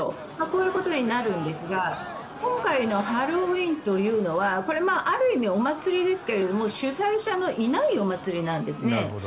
こういうことになるんですが今回のハロウィーンというのはこれはある意味、お祭りですが主催者のいないお祭りなんですね。